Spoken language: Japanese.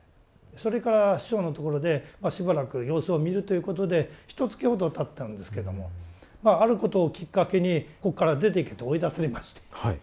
それから師匠のところでしばらく様子を見るということでひとつきほどたったんですけどもあることをきっかけにここから出て行けって追い出されまして。